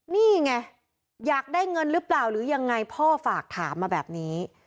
นี่ไงอยากได้เงินหรือเปล่าหรือยังไงพ่อฝากถามมาแบบนี้